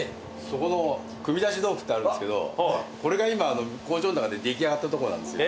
そこのくみ出し豆腐ってあるんですけどこれが今工場の中で出来上がったとこなんですよ。